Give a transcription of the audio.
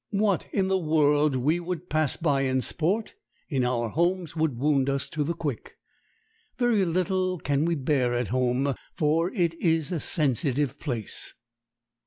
What, in the world, we would pass by in sport, in our homes would wound us to the quick. Very little can we bear at home, for it is a sensitive place.